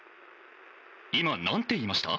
今なんて言いました？」。